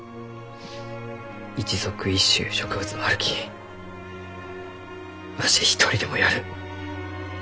一属一種ゆう植物もあるきわし一人でもやる。